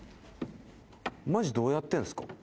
マジどうやってんすか？